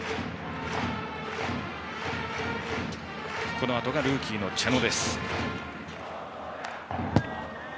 このあとがルーキーの茶野。